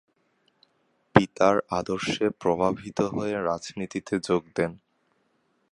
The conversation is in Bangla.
পিতার আদর্শে প্রভাবিত হয়ে রাজনীতিতে যোগ দেন।